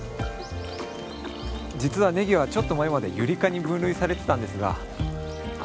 実はねぎはちょっと前までユリ科に分類されてたんですがあっ